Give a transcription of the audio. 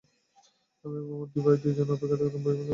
আমি এবং আমার ভাই দুজনে অপেক্ষায় থাকতাম কবে বইমেলা শুরু হবে।